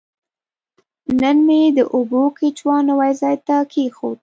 نن مې د اوبو کیچوا نوي ځای ته کیښود.